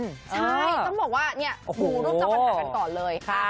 ใช่ต้องบอกว่าดูรูปเจ้าปัญหากันก่อนเลย